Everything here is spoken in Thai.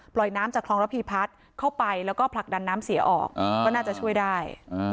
น้ำจากคลองระพีพัดเข้าไปแล้วก็ผลักดันน้ำเสียออกก็น่าจะช่วยได้